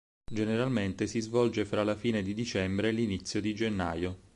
Generalmente si svolge fra la fine di dicembre e l'inizio di gennaio.